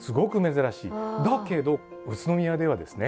だけど宇都宮ではですね